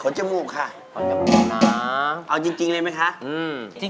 ขนจมูกค่ะขนจมูกนะเอาจริงเลยไหมคะอืม